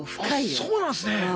あっそうなんすね。